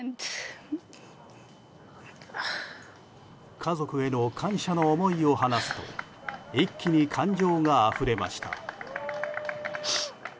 家族への感謝の思いを話すと一気に感情があふれました。